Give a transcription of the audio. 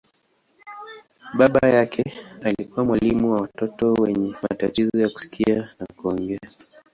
Baba yake alikuwa mwalimu wa watoto wenye matatizo ya kusikia na kuongea.